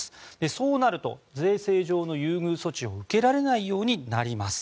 そうなると税制上の優遇措置を受けられないようになります。